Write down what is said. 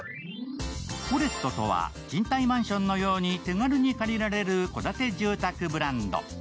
コレットとは賃貸マンションのように手軽に借りられる戸建て住宅ブランド。